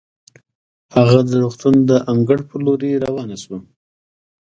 هغه د روغتون د انګړ په لورې روانه شوه.